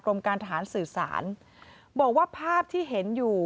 การทหารสื่อสารบอกว่าภาพที่เห็นอยู่